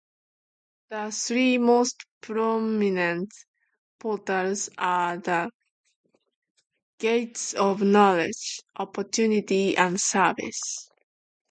The three most prominent portals are the Gates of Knowledge, Opportunity and Service.